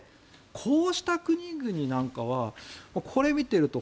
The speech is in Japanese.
こうした国々なんかはこれを見ていると